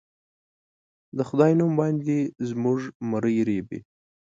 د خدای نوم باندې زموږه مرۍ رېبي